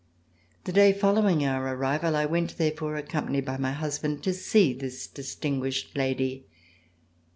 The day following our arrival I went, therefore, accompanied by my husband, to see this distinguished lady.